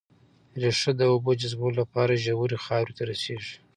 ريښه د اوبو جذبولو لپاره ژورې خاورې ته رسېږي